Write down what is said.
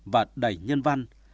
và đầy nhân văn